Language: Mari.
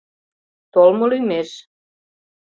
— Толмо лӱмеш!